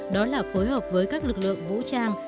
đó là phối hợp với các lực lượng vũ trang